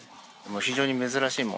非常に珍しいもの